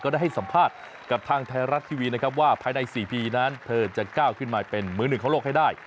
ได้ให้สัมภาษณ์กับทางไทยรัฐทีวีนะครับว่าภายใน๔ปีนั้นเธอจะก้าวขึ้นมาเป็นมือหนึ่งของโลกให้ได้